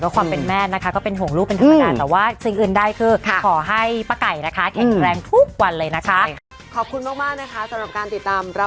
ความเป็นแม่นะคะก็เป็นห่วงลูกเป็นธรรมดา